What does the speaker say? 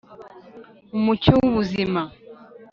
umucyo w'ubuzima'